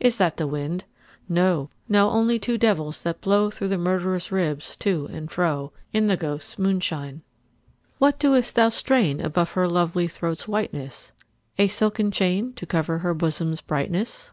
Is that the wind ? No, no ; Only two devils, that blow Through the murderer's ribs to and fro. In the ghosts' moi^ishine. THE GHOSTS* MOONSHINE, 39 III. What dost thou strain above her Lovely throat's whiteness ? A silken chain, to cover Her bosom's brightness